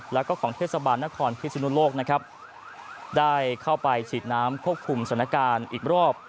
แล้วก็ของเทศบาลนครพิศนุโลกนะครับได้เข้าไปฉีดน้ำควบคุมสถานการณ์อีกรอบ